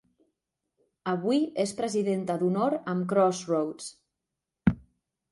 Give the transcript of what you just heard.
Avui és presidenta d'honor amb Crossroads.